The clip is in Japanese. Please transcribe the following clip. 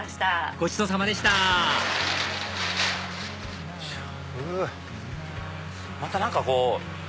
ごちそうさまでしたまた何かこう。